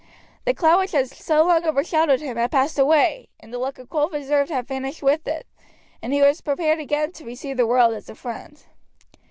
The cloud which had so long overshadowed him had passed away, and the look of cold reserve had vanished with it, and he was prepared again to receive the world as a friend.